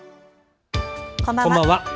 こんばんは。